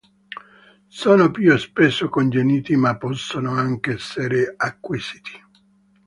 Sono più spesso congeniti ma possono anche essere acquisiti.